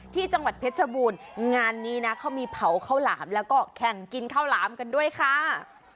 ที่จังหวัดเพชรชบูรณ์งานนี้นะเขามีเผาข้าวหลามแล้วก็แข่งกินข้าวหลามกันด้วยค่ะ